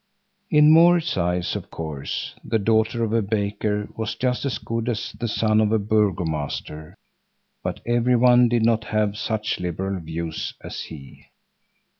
In Maurits's eyes, of course, the daughter of a baker was just as good as the son of a burgomaster, but every one did not have such liberal views as he.